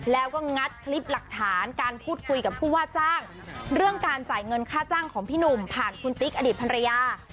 แล้วก็งัดคลิปหลักฐานการพูดคุยกับผู้ว่าจ้างเรื่องการจ่ายเงินค่าจ้างของพี่หนุ่มผ่านคุณติ๊กอดีตภรรยา